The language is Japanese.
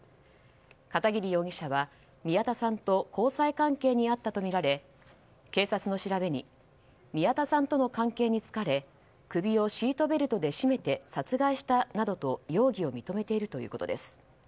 片桐容疑者は宮田さんと交際関係にあったとみられ警察の調べに宮田さんとの関係に疲れ首をシートベルトで絞めて殺害したなどと容疑を認めているということです。